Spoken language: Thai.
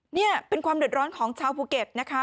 นี่เป็นความเดือดร้อนของชาวภูเก็ตนะคะ